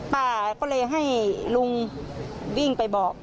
ป้าก็เลยให้ลุงวิ่งไปบอก